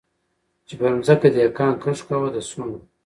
چي پر مځکه دهقان کښت کاوه د سونډو